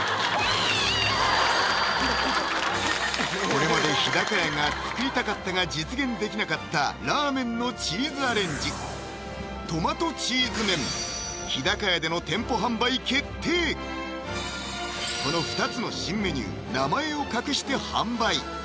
これまで日高屋が作りたかったが実現できなかったラーメンのチーズアレンジトマトチーズ麺日高屋でのこの２つの新メニュー名前を隠して販売！